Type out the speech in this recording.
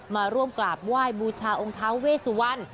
มาร่วมกราบไหว้บูชาองค์ท้าเวสุวรรณ